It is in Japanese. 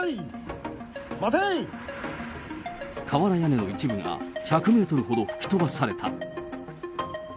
瓦屋根の一部が１００メートルほど吹き飛ばされた。